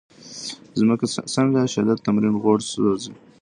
څنګه منځنی شدت تمرین غوړ سوځوي؟